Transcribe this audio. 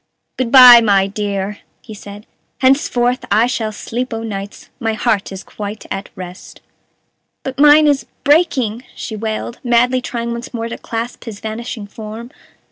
"Good by, my dear!" he said; "henceforth I shall sleep o' nights; my heart is quite at rest." "But mine is breaking," she wailed, madly trying once more to clasp his vanishing form.